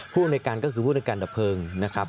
ผู้อำนวยการก็คือผู้ในการดับเพลิงนะครับ